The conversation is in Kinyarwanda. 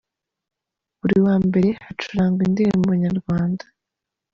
Buri wa mbere: Hacurangwa Indirimbo Nyarwanda.